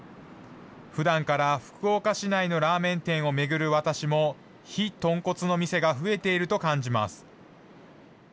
ふだんから福岡市内のラーメン店を巡る私も、非豚骨の店が増えていると感じます。